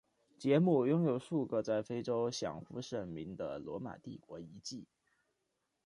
杰姆拥有数个在非洲享负盛名的罗马帝国遗迹。